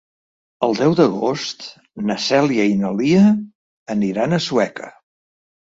El deu d'agost na Cèlia i na Lia aniran a Sueca.